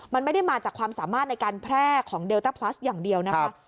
มันไม่ได้มาจากความสามารถในการแพร่ของเดลต้าพลัสอย่างเดียวนะคะ